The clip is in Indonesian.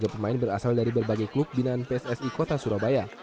tiga pemain berasal dari berbagai klub binaan pssi kota surabaya